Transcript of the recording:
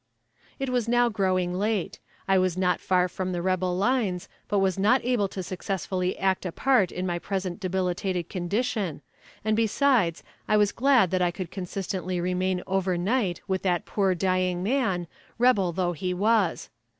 It was now growing late. I was not far from the rebel lines, but was not able to successfully act a part in my present debilitated condition, and besides, I was glad that I could consistently remain over night with that poor dying man, rebel though he was.